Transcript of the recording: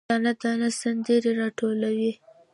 دانه، دانه سندرې، راټولوي